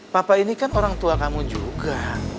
papa ini kan orang tua kamu juga